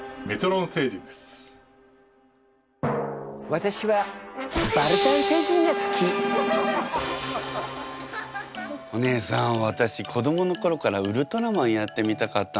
私はお姉さん私子どもの頃からウルトラマンやってみたかったの。